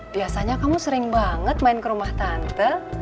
biasanya kamu sering banget main ke rumah tante